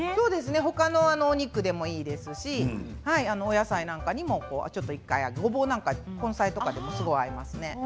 他のお肉でもいいですしお野菜なんかにもごぼうなんか、根菜にもすごく合いますね。